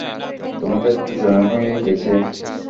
তোমাদের দুজনের হয়ে গেছে?